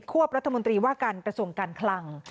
วบรัฐมนตรีว่าการกระทรวงการคลัง